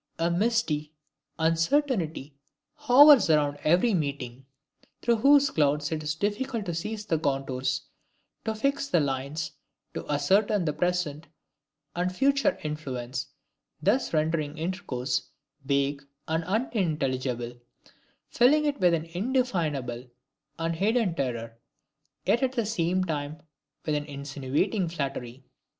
A misty uncertainty hovers round every meeting, through whose clouds it is difficult to seize the contours, to fix the lines, to ascertain the present and future influence, thus rendering intercourse vague and unintelligible, filling it with an indefinable and hidden terror, yet, at the same time, with an insinuating flattery.